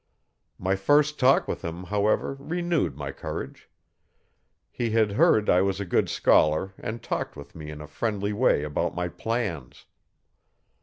My first talk with him, however, renewed my courage. He had heard I was a good scholar and talked with me in a friendly way about my plans.